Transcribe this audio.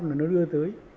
là nó đưa tới